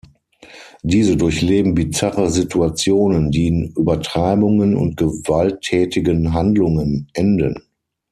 Diese durchleben bizarre Situationen, die in Übertreibungen und gewalttätigen Handlungen enden.